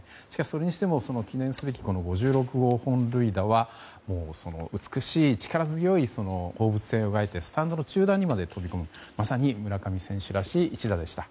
それにしても記念すべき５６号本塁打は美しい、力強い放物線を描いてスタンドの中段にまで飛び込むまさに村上選手らしい一打でした。